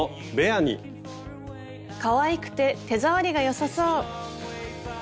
かわいくて手触りが良さそう。